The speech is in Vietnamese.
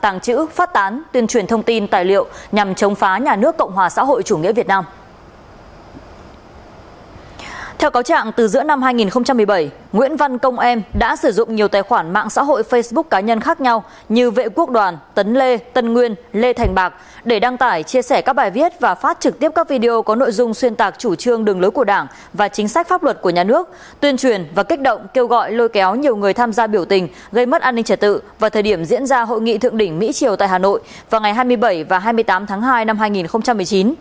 nguyễn văn công em đã sử dụng nhiều tài khoản mạng xã hội facebook cá nhân khác nhau như vệ quốc đoàn tấn lê tân nguyên lê thành bạc để đăng tải chia sẻ các bài viết và phát trực tiếp các video có nội dung xuyên tạc chủ trương đường lối của đảng và chính sách pháp luật của nhà nước tuyên truyền và kích động kêu gọi lôi kéo nhiều người tham gia biểu tình gây mất an ninh trả tự vào thời điểm diễn ra hội nghị thượng đỉnh mỹ triều tại hà nội vào ngày hai mươi bảy và hai mươi tám tháng hai năm hai nghìn một mươi chín